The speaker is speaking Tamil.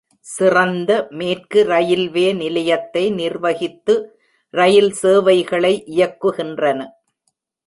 சிறந்த மேற்கு ரயில்வே நிலையத்தை நிர்வகித்து ரயில் சேவைகளை இயக்குகின்றன.